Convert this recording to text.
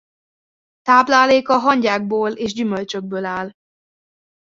Tápláléka hangyákból és gyümölcsökből áll.